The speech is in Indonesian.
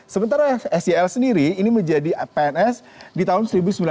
sementara sel sendiri ini menjadi pns di tahun seribu sembilan ratus sembilan puluh